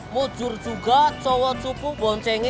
mujur juga cowoknya di rumahnya lagi